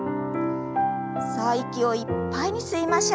さあ息をいっぱいに吸いましょう。